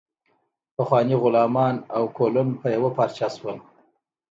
پخواني غلامان او کولون په یوه پارچه شول.